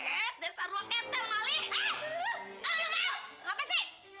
eh desa ruang ether malih